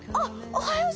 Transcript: おはよう！